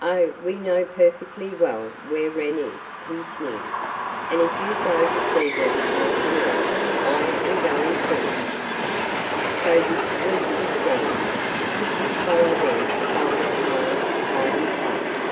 Oh, we know perfectly well where Wren is," he sneered, "and if you go to see her this afternoon I am going, too." So this was his scheme he would follow them to find the child's hiding place.